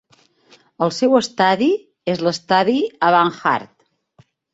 El seu estadi és l'estadi Avanhard.